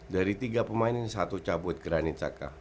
dari tiga pemain ini satu cabut granit saka